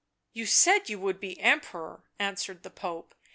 You said you would be Emperor," answered the Pope.